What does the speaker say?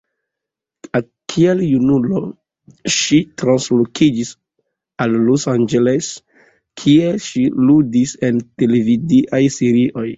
Kiel junulo, ŝi translokiĝis al Los Angeles, kie ŝi ludis en televidaj serioj.